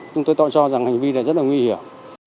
chúng tôi tôi cho rằng hành vi này rất là nguy hiểm